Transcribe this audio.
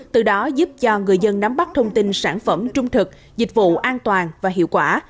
từ đó giúp cho người dân nắm bắt thông tin sản phẩm trung thực dịch vụ an toàn và hiệu quả